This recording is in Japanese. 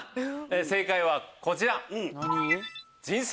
正解はこちら。